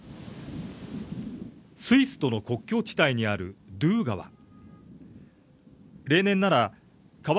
スイスとの国境地帯にあるドゥー川。